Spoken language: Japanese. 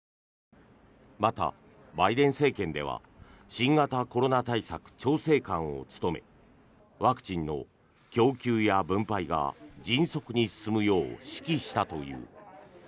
また、バイデン政権では新型コロナ対策調整官を務めワクチンの供給や分配が迅速に進むよう指揮したという。